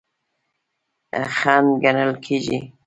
خنډ ګڼل کیږي.